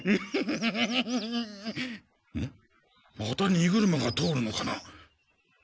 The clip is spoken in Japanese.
また荷車が通るのかな？